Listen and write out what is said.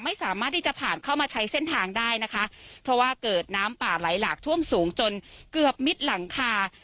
ไม่สามารถที่จะผ่านเข้ามาใช้เส้นทางได้นะคะเพราะว่าเกิดน้ำป่าไหลหลากท่วมสูงจนเกือบมิดหลังคา